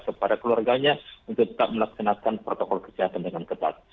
kepada keluarganya untuk tetap melaksanakan protokol kesehatan dengan ketat